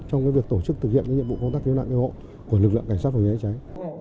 trong cái việc tổ chức thực hiện cái nhiệm vụ công tác cứu nạn cứu hộ của lực lượng cảnh sát phòng cháy chế cháy